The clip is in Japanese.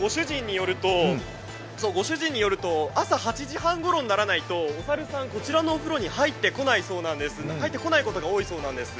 ご主人によると、朝８時半ごろにならないとお猿さん、こちらのお風呂に入ってこないことが多いそうなんです。